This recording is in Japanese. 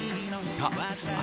あ